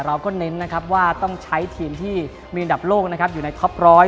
เราก็เน้นนะครับว่าต้องใช้ทีมที่มีอันดับโลกนะครับอยู่ในท็อปร้อย